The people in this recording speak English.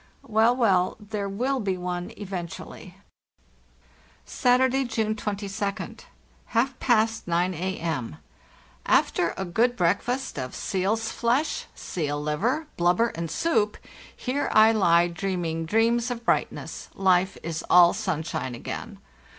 Well, well, there will be one eventually! "Saturday, June 22d. MHalf past 9 a.m.; after a good 284 FARTHEST NORTH breakfast of seal's flesh, seal liver, blubber, and soup, here I lie dreaming dreams of brightness; life is all sunshine again.